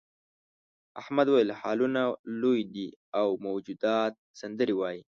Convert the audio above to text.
احمد وویل هالونه لوی دي او موجودات سندرې وايي.